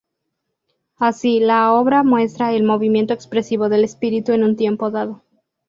Así, la obra muestra el movimiento expresivo del espíritu en un tiempo dado.